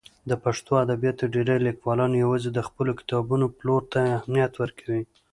د پښتو ادبیاتو ډېری لیکوالان یوازې د خپلو کتابونو پلور ته اهمیت ورکوي.